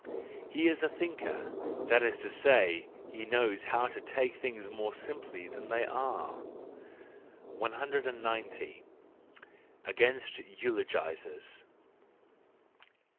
—He is a thinker: that is to say, he knows how to take things more simply than they are. 190. Against Eulogisers